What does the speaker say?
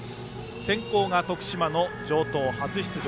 先攻が徳島の城東、初出場。